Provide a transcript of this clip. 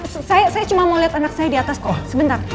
saya cuma mau lihat anak saya di atas kok sebentar